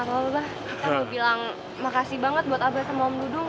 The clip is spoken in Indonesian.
kalau enggak ada aba dan om dudung